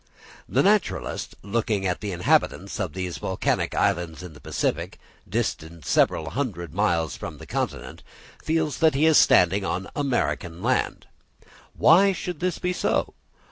The naturalist, looking at the inhabitants of these volcanic islands in the Pacific, distant several hundred miles from the continent, feels that he is standing on American land. Why should this be so?